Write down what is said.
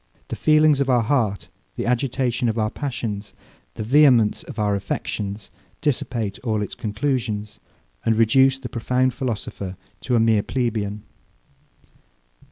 The feelings of our heart, the agitation of our passions, the vehemence of our affections, dissipate all its conclusions, and reduce the profound philosopher to a mere plebeian.